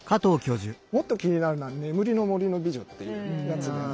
もっと気になるのは「眠れる森の美女」っていうやつで。